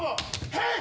ヘイ！